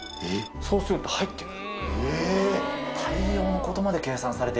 そうすると入って来る。